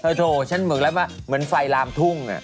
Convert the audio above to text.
โถฉันเหมือนแล้วเหมือนไฟลามทุ่ง